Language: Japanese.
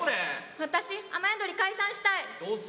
私、雨やどり解散したい。